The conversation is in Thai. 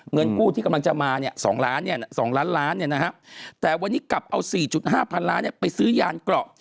เงินกู้ที่กำลังจะมาเนี่ย๒ล้าน๒ล้านล้านแต่วันนี้กลับเอา๔๕พันล้านไปซื้อยานเกราะ